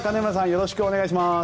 よろしくお願いします。